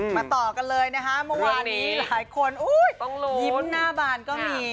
ต่อกันเลยนะคะเมื่อวานนี้หลายคนยิ้มหน้าบานก็มี